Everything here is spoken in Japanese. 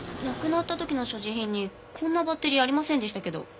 亡くなった時の所持品にこんなバッテリーありませんでしたけど。